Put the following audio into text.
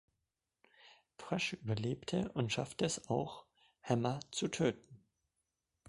Trash überlebt und schafft es auch, Hammer zu töten.